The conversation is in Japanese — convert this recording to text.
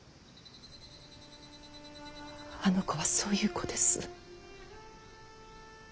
あの子はそういう子です。